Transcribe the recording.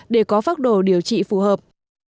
để có pháp đồ điều trị phù hợp